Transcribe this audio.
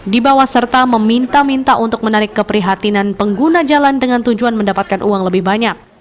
dibawa serta meminta minta untuk menarik keprihatinan pengguna jalan dengan tujuan mendapatkan uang lebih banyak